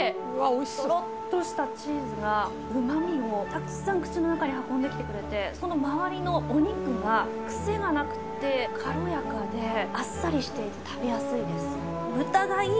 トロッとしたチーズがうまみをたくさん口の中に運んできてくれてその周りのお肉がクセがなくて軽やかであっさりしていて食べやすいです。